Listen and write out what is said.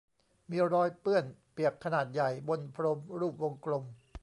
มีรอยเปื้อนเปียกขนาดใหญ่บนพรมรูปวงกลม